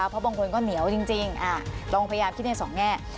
เพราะบางคนก็เหนียวจริงลองพยายามคิดในสองแง่